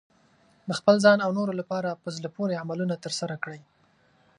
د خپل ځان او نورو لپاره په زړه پورې عملونه ترسره کړئ.